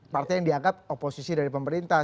partai yang dianggap oposisi dari pemerintah